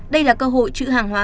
đây là cơ hội chữ hàng hóa